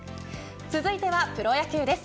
続いてはプロ野球です。